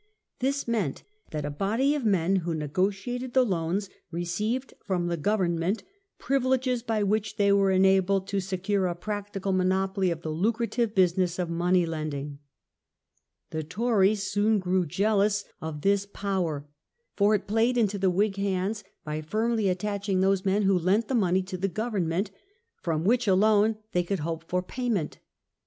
This meant that a body of men who negotiated the loans received from government privileges, by which they were enabled to secure a practical monopoly of the lucrative business of money lending. The Tories soon grew jealous of this (962) H Io8 DEATH OF QUEEN MARY. power. For it played into the Whig hands by firmly attaching those men who lent the money to the govern ment, from which alone they could hope for payment.